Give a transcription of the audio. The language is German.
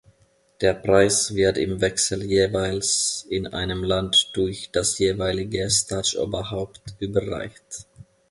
Der Preis wird im Wechsel jeweils in einem Land durch das jeweilige Staatsoberhaupt überreicht.